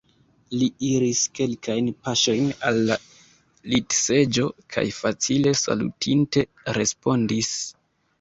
Li iris kelkajn paŝojn al la litseĝo kaj, facile salutinte, respondis: